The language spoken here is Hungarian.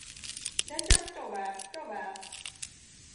De csak tovább, tovább!